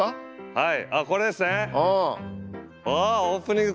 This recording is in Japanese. はい。